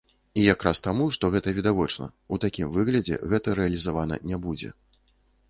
І якраз таму, што гэта відавочна, у такім выглядзе гэта рэалізавана не будзе.